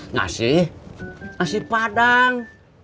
ngasih nasi padang